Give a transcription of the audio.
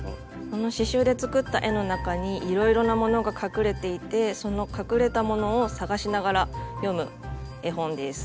この刺しゅうで作った絵の中にいろいろなものが隠れていてその隠れたものを探しながら読む絵本です。